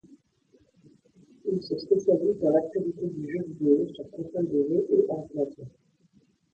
Il se spécialise dans l'actualité du jeu vidéo sur consoles de jeu et ordinateurs.